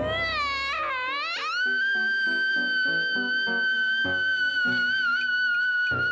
oke kita ambil biar cepet